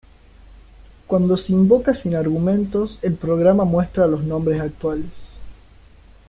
Cuando se invoca sin argumentos, el programa muestra los nombres actuales.